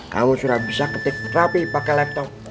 kamu sudah bisa ketik terapi pakai laptop